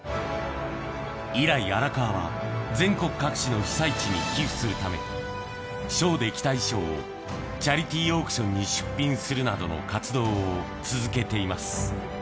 以来、荒川は全国各地の被災地に寄付するため、ショーで着た衣装をチャリティーオークションに出品するなどの活動を続けています。